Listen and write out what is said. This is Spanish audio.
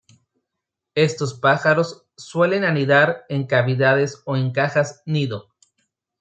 Estos pájaros suelen anidar en cavidades o en cajas nido.